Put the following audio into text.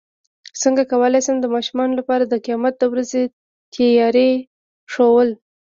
څنګه کولی شم د ماشومانو لپاره د قیامت د ورځې تیاري ښوول